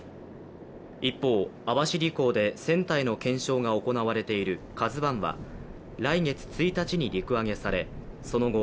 一方、網走港で船体の検証が行われている「ＫＡＺＵⅠ」は来月１日に陸揚げされ、その後、